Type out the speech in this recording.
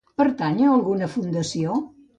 Pertany a alguna fundació?